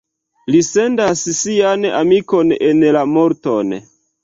Li sendas sian amikon en la morton.